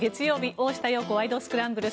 「大下容子ワイド！スクランブル」。